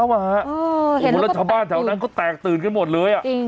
เออเห็นแล้วก็แตกตื่นมันแล้วชาวบ้านแถวนั้นก็แตกตื่นกันหมดเลยอะ